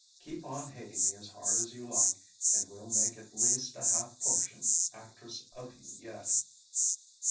Keep on hating me as hard as you like and we'll make at least a half portion actress of you yet...."